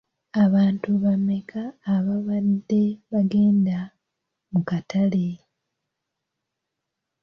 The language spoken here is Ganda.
Abantu bammeka abaabadde bagenda mu katale?